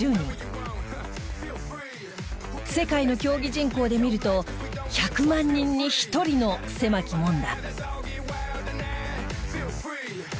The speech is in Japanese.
世界の競技人口で見ると１００万人に１人の狭き門だ。